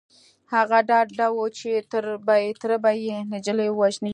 هغه ډاډه و چې تره به يې نجلۍ ووژني.